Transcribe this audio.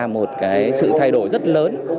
một sự thay đổi rất lớn